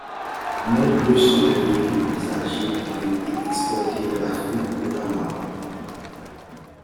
Nombreux sont les véhicules usagés qui ont été exportés vers l'Afrique notamment.